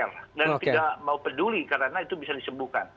dan tidak mau peduli karena itu bisa disebutkan